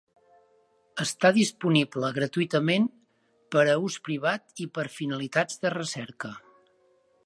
Està disponible gratuïtament per a ús privat i per a finalitats de recerca.